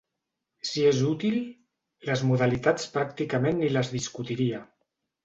Si és útil, les modalitats pràcticament ni les discutiria.